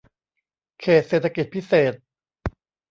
เขตเศรษฐกิจพิเศษ